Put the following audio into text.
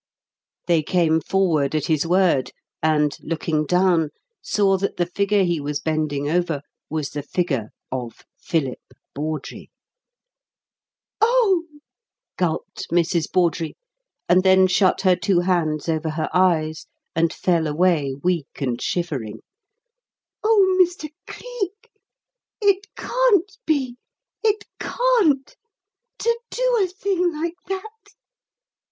They came forward at his word, and, looking down, saw that the figure he was bending over was the figure of Philip Bawdrey. "Oh!" gulped Mrs. Bawdrey, and then shut her two hands over her eyes and fell away weak and shivering. "Oh, Mr. Cleek, it can't be it can't! To do a thing like that?"